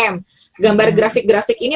m gambar grafik grafik ini